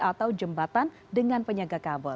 atau jembatan dengan penyaga kabel